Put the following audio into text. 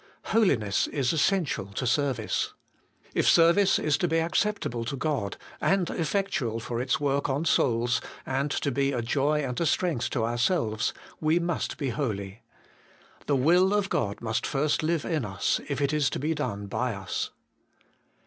Holiness is essential to service. If service is to be acceptable to God, and effectual for its work on souls, and to be a joy and a strength to ourselves, we must be holy. The will of God must first live in us, if it is to be done by us.